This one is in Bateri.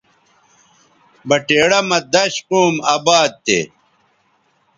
بٹیڑہ مہ دش قوم اباد تھے